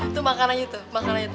tuh makanannya tuh makanannya tuh